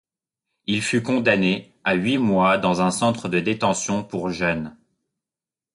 Il fut condamné à huit mois dans un centre de détention pour jeunes.